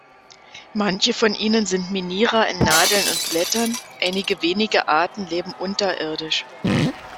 Manche von ihnen sind Minierer in Nadeln und Blättern, einige wenige Arten leben unterirdisch.